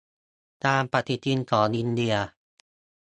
ตามปฏิทินของอินเดีย